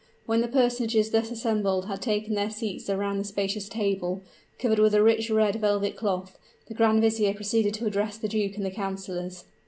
When the personages thus assembled had taken their seats around the spacious table, covered with a rich red velvet cloth, the grand vizier proceeded to address the duke and the councilors.